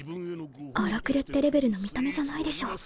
荒くれってレベルの見た目じゃないでしょ